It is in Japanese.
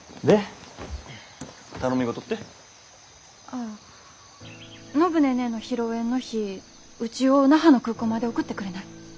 ああ暢ネーネーの披露宴の日うちを那覇の空港まで送ってくれない？